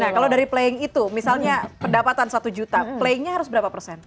nah kalau dari playing itu misalnya pendapatan satu juta play nya harus berapa persen